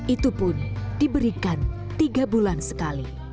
itu pun diberikan tiga bulan sekali